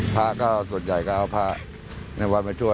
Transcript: พระก็ส่วนใหญ่ก็เอาพระในวัดมาช่วย